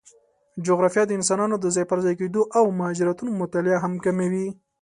جغرافیه د انسانانو د ځای پر ځای کېدو او مهاجرتونو مطالعه هم کوي.